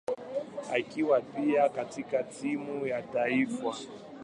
akiwa pia katika timu ya taifa.